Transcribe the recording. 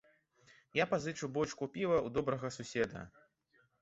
Я пазычу бочку піва ў добрага суседа!